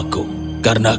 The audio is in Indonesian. karena kau tidak tahu nama aku